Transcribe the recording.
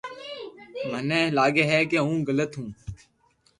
مني اي لاگي ڪي ھون گلت ھون